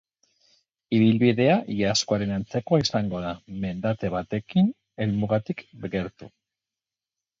Ibilbidea iazkoaren antzekoa izango da, mendate batekin helmugatik gertu.